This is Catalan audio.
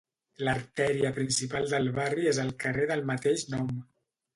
L'artèria principal del barri és el carrer del mateix nom.